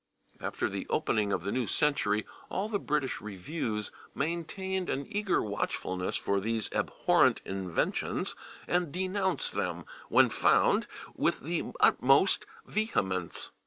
After the opening of the new century all the British reviews maintained an eager watchfulness for these abhorrent inventions, and denounced them, when found, with the utmost vehemence.